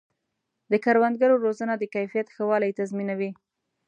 د کروندګرو روزنه د کیفیت ښه والی تضمینوي.